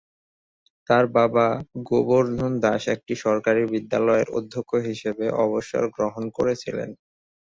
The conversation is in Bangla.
তাঁর বাবা গোবর্ধন দাস একটি সরকারি বিদ্যালয়ের অধ্যক্ষ হিসাবে অবসর গ্রহণ করেছিলেন।